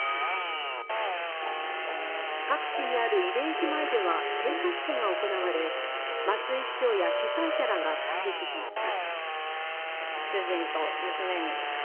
各地にある慰霊碑前では献花式が行われ松井市長や被災者らが参列しました。